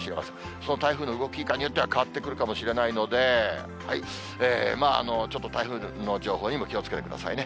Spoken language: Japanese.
その台風の動きいかんによっては変わってくるかもしれないので、まあ、ちょっと台風の情報にも気をつけてくださいね。